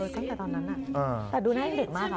แต่ตอนนั้นแต่ดูหน้าให้เด็กมาก